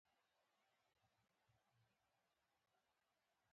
حاجي رحمدل خان او دلیل خان دوه وړونه وه.